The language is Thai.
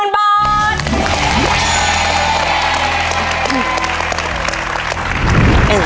เย้